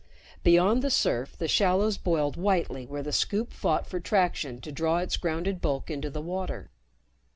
Beyond the surf, the shallows boiled whitely where the Scoop fought for traction to draw its grounded bulk into the water.